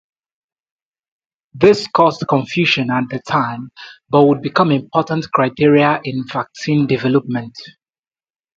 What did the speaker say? This caused confusion at the time, but would become important criteria in vaccine development.